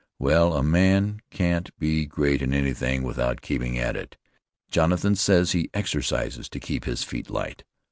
Well, a man can't be great in anything without keeping at it. Jonathan says he exercises to keep his feet light.